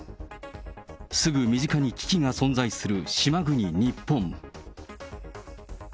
すぐ身近に危機が存在する島国、日本。